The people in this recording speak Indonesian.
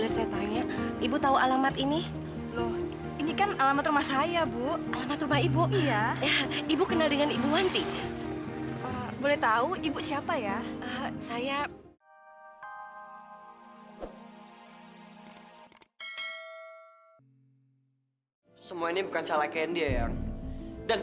sampai jumpa di video selanjutnya